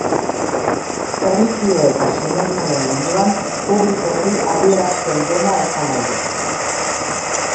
Erlijio eta sinesmenen munduan publikoki adierazten dena esan nahi du.